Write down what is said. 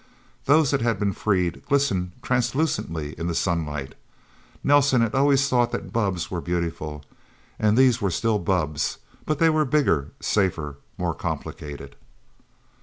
Those that had been freed glistened translucently in the sunlight. Nelsen had always thought that bubbs were beautiful. And these were still bubbs, but they were bigger, safer, more complicated.